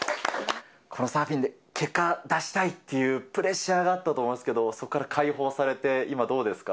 このサーフィンで結果出したいっていうプレッシャーがあったと思うんですけど、そこから解放されて、今、どうですか？